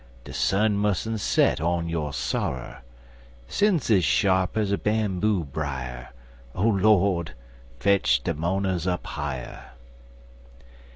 De sun mus'n't set on yo' sorrer, Sin's ez sharp ez a bamboo brier Oh, Lord! fetch de mo'ners up higher!